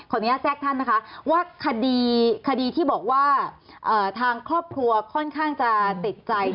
อนุญาตแทรกท่านนะคะว่าคดีที่บอกว่าทางครอบครัวค่อนข้างจะติดใจ